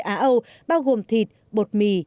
á âu bao gồm thịt bột mì